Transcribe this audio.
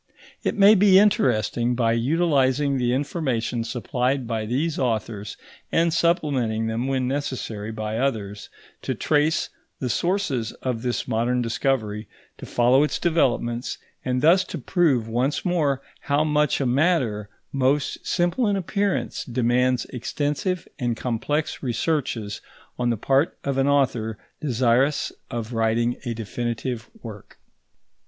It may be interesting, by utilising the information supplied by these authors and supplementing them when necessary by others, to trace the sources of this modern discovery, to follow its developments, and thus to prove once more how much a matter, most simple in appearance, demands extensive and complex researches on the part of an author desirous of writing a definitive work.